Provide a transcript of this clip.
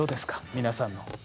皆さんの。